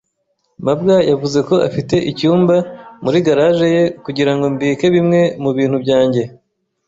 mabwa yavuze ko afite icyumba muri garage ye kugira ngo mbike bimwe mu bintu byanjye.